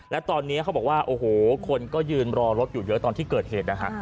และตอนนี้เขาบอกว่าโอ้โหคนก็ยืนรอรถอยู่เยอะตอนที่เกิดเหตุนะฮะ